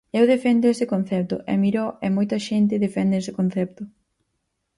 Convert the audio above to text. Eu defendo ese concepto e Miró e moita xente defende ese concepto.